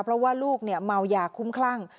เพราะว่าลูกเมายาคุ้มคลั่ง